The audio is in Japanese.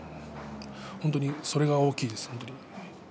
本当に、それが大きいです。